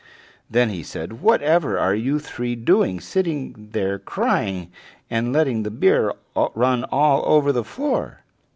Then he said: "Whatever are you three doing, sitting there crying, and letting the beer run all over the floor?"